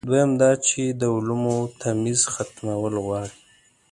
دویم دا چې د علومو تمیز ختمول غواړي.